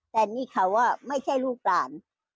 แต่นี่เขาไม่ใช่ลูกหลาน